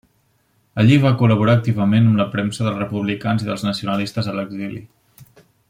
Allí va col·laborar activament amb la premsa dels republicans i dels nacionalistes a l'exili.